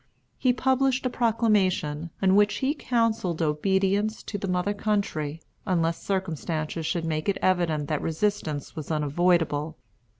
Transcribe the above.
He published a proclamation, in which he counselled obedience to the mother country, unless circumstances should make it evident that resistance was unavoidable.